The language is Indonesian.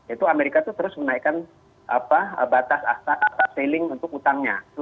itu amerika itu terus menaikkan batas seiling untuk utangnya